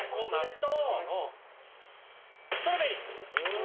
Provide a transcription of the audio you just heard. ストロベリー！